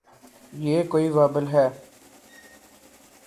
یہ کوئی وبال ہے۔